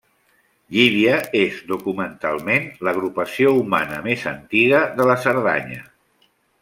Llívia és documentalment l'agrupació humana més antiga de la Cerdanya.